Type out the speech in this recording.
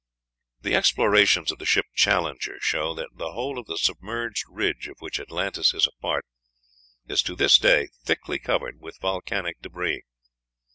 The explorations of the ship Challenger show that the whole of the submerged ridge of which Atlantis is a part is to this day thickly covered with volcanic débris.